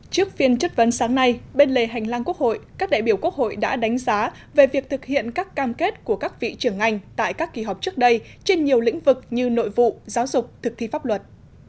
trước phiên chất vấn sáng nay bên lề hành lang quốc hội các đại biểu quốc hội đã đánh giá về việc thực hiện các cam kết của các vị trưởng ngành tại các kỳ họp trước đây trên nhiều lĩnh vực như nội vụ giáo dục thực thi pháp luật